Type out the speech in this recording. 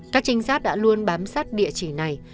các trinh sát đã luôn bám sát địa chỉ này